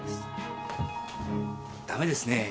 ダメですねえ。